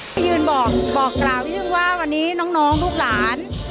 ไปยืนบอกกล่าวนิดนึงว่าวันนี้น้องลูกหลาน